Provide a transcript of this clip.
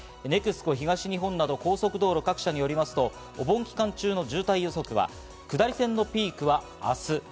ＮＥＸＣＯ東日本など高速道路各社によりますと、お盆期間中の渋滞予測は下り線のピークは明日。